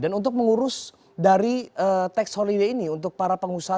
dan untuk mengurus dari tax holiday ini untuk para pengusaha